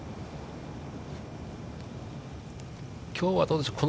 きょうはどうでしょう。